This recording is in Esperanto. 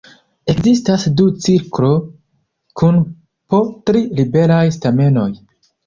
Ekzistas du cirklo kun po tri liberaj stamenoj.